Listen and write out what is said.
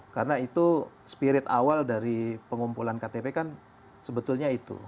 karena itu spirit awal dari pengumpulan ktp kan sebetulnya itu